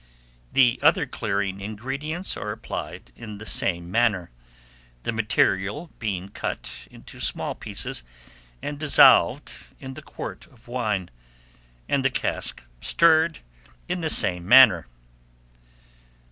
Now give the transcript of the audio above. The other clearing ingredients are applied in the same manner, the material being cut into small pieces, and dissolved in the quart of wine, and the cask stirred in the same manner.